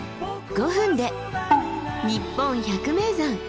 ５分で「にっぽん百名山」。